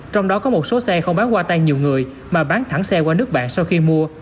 trong đó có một số xe không bán qua tay nhiều người mà bán thẳng xe qua nước bạn sau khi mua